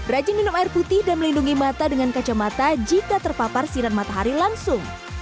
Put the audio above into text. rajin minum air putih dan melindungi mata dengan kacamata jika terpapar sinar matahari langsung